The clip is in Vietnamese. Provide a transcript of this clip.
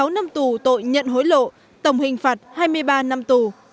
một mươi sáu năm tù tội nhận hối lộ tổng hình phạt hai mươi ba năm tù